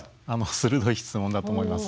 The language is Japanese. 鋭い質問だと思います。